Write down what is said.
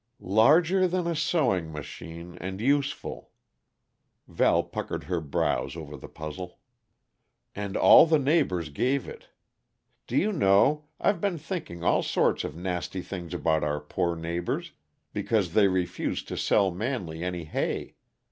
"Larger than a sewing machine, and useful." Val puckered her brows over the puzzle. "And all the neighbors gave it. Do you know, I've been thinking all sorts of nasty things about our poor neighbors, because they refused to sell Manley any hay.